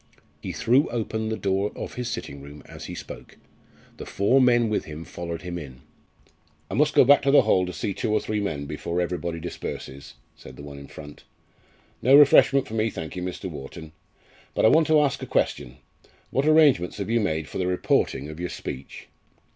He threw open the door of his sitting room as he spoke. The four men with him followed him in. "I must go back to the hall to see two or three men before everybody disperses," said the one in front. "No refreshment for me, thank you, Mr. Wharton. But I want to ask a question what arrangements have you made for the reporting of your speech?"